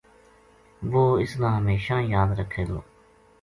وہ اس نا ہمیشاں یاد رکھے گو